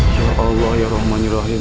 ya allah ya rahman ya rahim